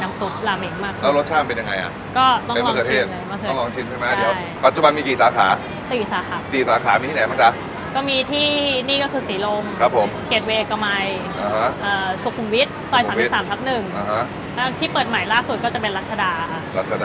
แต่เราเอามาปรับประยุกต์ให้เข้ากับรสชาติให้มันกลมกล่อมขึ้น